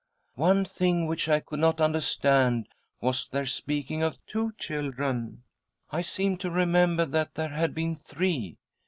" One thing which I could not understand was their speaking of two children — I seemed to remem ber that there had been three.